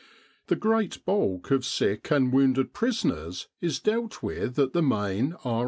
The great bulk of sick and wounded prisoners is dealt with at the , main R.